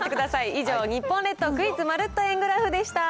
以上、日本列島クイズまるっと円グラフでした。